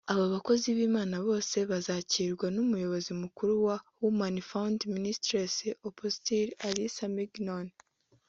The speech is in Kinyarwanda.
Abo bakozi b’Imana bose bazakirwa n’umuyobozi mukuru wa Women Foundation Ministries Apostle Alice Mignonne U